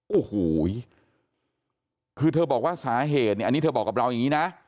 โอ้โหคือเธอบอกว่าสาเหตุเนี่ยอันนี้เธอบอกกับเราอย่างนี้นะ